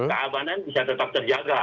keamanan bisa tetap terjaga